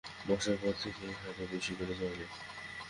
বর্ষার পর থেকেই এই হাট বেশি করে জমে।